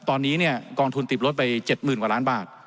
ตอนนี้กองทุนติดลบไป๗๐๐๐๐กว่าล้านบาท